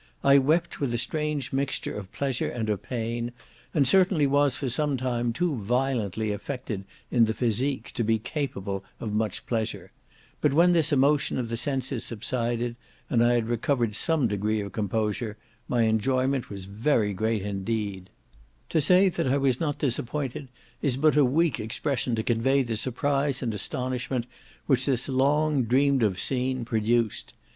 I wept with a strange mixture of pleasure and of pain, and certainly was, for some time, too violently affected in the physique to be capable of much pleasure; but when this emotion of the senses subsided, and I had recovered some degree of composure, my enjoyment was very great indeed. The accomplished author of "Cyril Thornton." To say that I was not disappointed is but a weak expression to convey the surprise and astonishment which this long dreamed of scene produced.